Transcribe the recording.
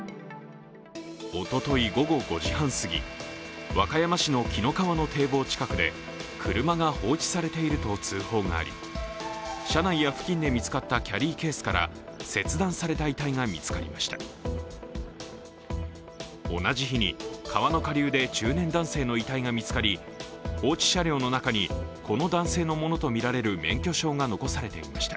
おととい午後５時半すぎ、和歌山市の紀の川の堤防近くで車が放置されていると通報があり、車内や付近で見つかったキャリーケースから切断された遺体が見つかりました。